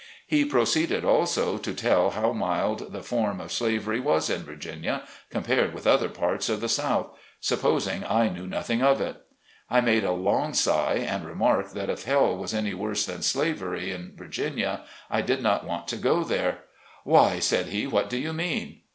He proceeded, also, to tell how mild the form of slavery was in Virginia, compared with other parts of the South, supposing I knew nothing of it. I made a long sigh, arid remarked that if Hell was any worse than slavery in Virginia, I did not want to go there. "Why," said he, "what do you mean?"